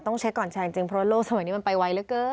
เช็คก่อนแชร์จริงเพราะว่าโลกสมัยนี้มันไปไวเหลือเกิน